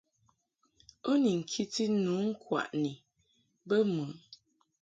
U ni nkiti nu ŋkwaʼni bə mɨ ?